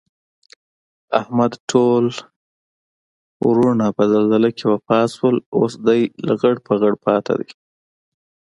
احمد ټول ورڼه په زلزله کې وفات شول. اوس دی لغړ پغړ پاتې دی